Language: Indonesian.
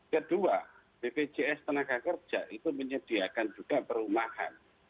kedua bpjs tenaga kerja itu menyediakan juga perumahan